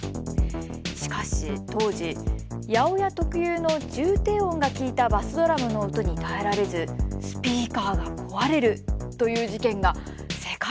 しかし当時８０８特有の重低音が効いたバスドラムの音に耐えられずスピーカーが壊れるという事件が世界中で多発していました。